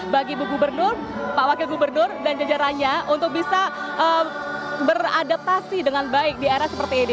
bagi bu gubernur pak wakil gubernur dan jajarannya untuk bisa beradaptasi dengan baik di era seperti ini